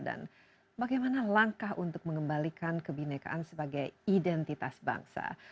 dan bagaimana langkah untuk mengembalikan kebinekaan sebagai identitas bangsa